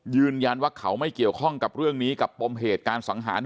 ยืนยันว่าเขาไม่เกี่ยวข้องกับเรื่องนี้กับปมเหตุการสังหาร